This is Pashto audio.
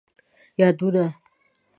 یادونه: